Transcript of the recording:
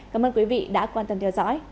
cảm ơn quý vị đã quan tâm theo dõi